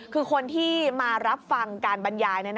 คือคนที่มารับฟังการบรรยาย